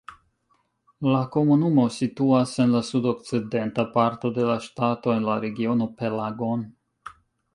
La komunumo situas en la sudokcidenta parto de la ŝtato en la regiono Pelagon.